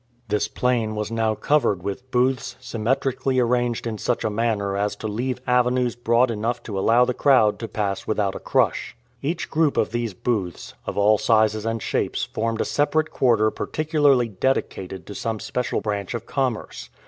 This plain was now covered with booths symmetrically arranged in such a manner as to leave avenues broad enough to allow the crowd to pass without a crush. Each group of these booths, of all sizes and shapes, formed a separate quarter particularly dedicated to some special branch of commerce.